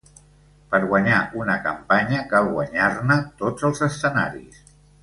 Per guanyar una campanya cal guanyar-ne tots els escenaris.